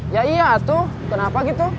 ya iya tuh kenapa gitu